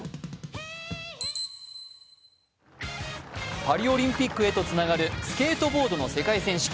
パリオリンピックへとつながるスケートボードの世界選手権。